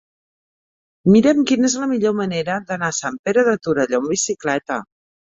Mira'm quina és la millor manera d'anar a Sant Pere de Torelló amb bicicleta.